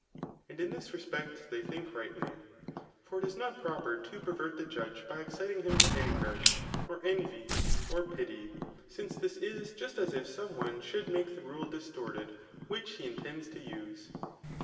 And in this respect they think rightly. For it is not proper to per;* vert the judge, by exciting him to anger, or envy, or pity ; since this is just as if some one should make tbe rule distorted which he intends to use.